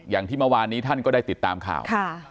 อย่างที่เมื่อวานนี้ท่านก็ได้ติดตามข่าว